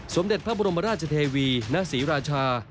สมเด็จพระบรมราชเทวีณศรีราชา